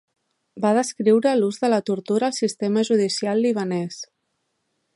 Va descriure l"ús de la tortura al sistema judicial libanès.